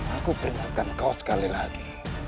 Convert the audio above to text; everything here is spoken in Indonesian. aku peringatan kau sekali lagi